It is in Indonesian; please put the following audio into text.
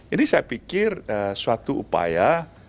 ini saya pikir suatu upaya